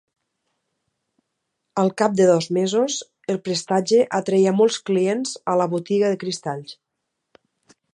Al cap de dos mesos, el prestatge atreia molts clients a la botiga de cristalls.